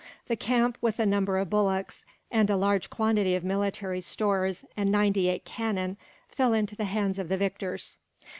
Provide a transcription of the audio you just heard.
The camp, with a number of bullocks, and a large quantity of military stores and ninety eight cannon, fell into the hands of the victors.